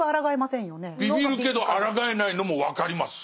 ビビるけどあらがえないのも分かります。